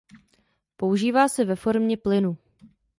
Používá se ve formě plynu.